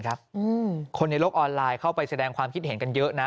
คนในโลกออนไลน์เข้าไปแสดงความคิดเห็นกันเยอะนะ